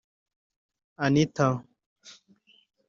Anita